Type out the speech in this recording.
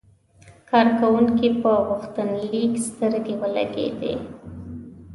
کارکونکي په غوښتنلیک سترګې ولګېدې.